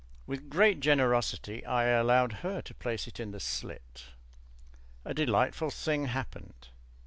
With great generosity I allowed her to place it in the slit. A delightful thing happened.